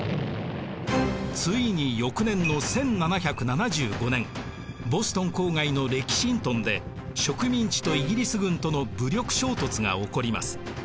ついに翌年の１７７５年ボストン郊外のレキシントンで植民地とイギリス軍との武力衝突が起こります。